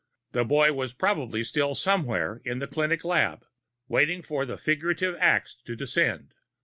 The boy was probably still somewhere in the clinic lab, waiting for the figurative axe to descend.